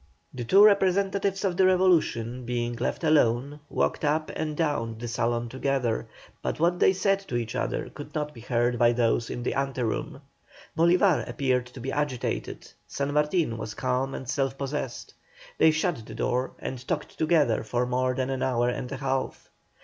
The two representatives of the Revolution being left alone, walked up and down the salon together, but what they said to each other could not be heard by those in the ante room. Bolívar appeared to be agitated, San Martin was calm and self possessed. They shut the door and talked together for more than an hour and a half.